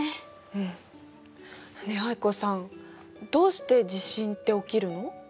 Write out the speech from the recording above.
うん。ねえ藍子さんどうして地震って起きるの？